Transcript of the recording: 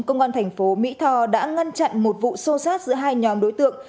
công an thành phố mỹ tho đã ngăn chặn một vụ xô xát giữa hai nhóm đối tượng